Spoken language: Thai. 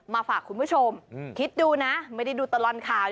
มาฝากคุณผู้ชมคิดดูนะไม่ได้ดูตลอดข่าว